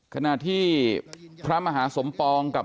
ขณะที่พระมหาสมปองกับ